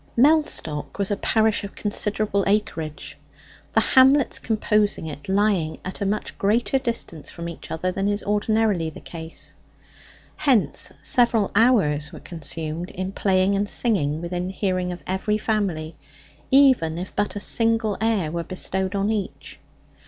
Mellstock was a parish of considerable acreage, the hamlets composing it lying at a much greater distance from each other than is ordinarily the case. Hence several hours were consumed in playing and singing within hearing of every family, even if but a single air were bestowed on each.